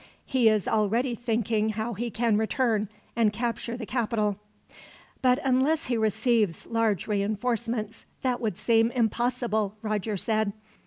He is already thinking how he can return, and capture the capital." "But unless he receives large reinforcements, that would seem impossible," Roger said.